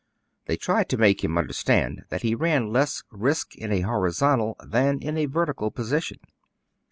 They tried to make him understand that he ran less risk in a horizontal than in a vertical position.